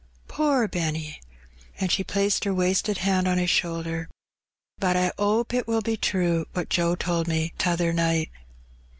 "Poor Benny!" and she placed her wasted hand on his shoulder. " But I 'ope it will be true, what Joe told me t' other night."